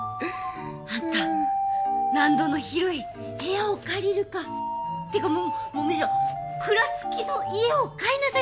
アンタ納戸の広い部屋を借りるかてかもうむしろ倉付きの家を買いなさい！